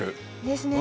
ですね。